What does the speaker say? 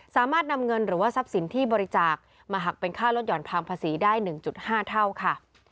สามารถนำเงินหรือว่าทรัพย์สินที่บริจาคมาหักเป็นค่าลดหย่อนภาษีได้๑๕เท่าค่ะ